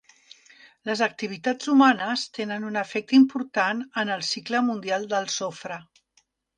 Les activitats humanes tenen un efecte important en el cicle mundial del sofre.